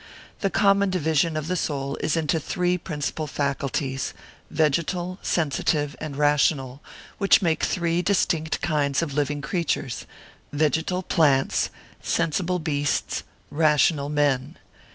The common division of the soul is into three principal faculties—vegetal, sensitive, and rational, which make three distinct kinds of living creatures—vegetal plants, sensible beasts, rational men.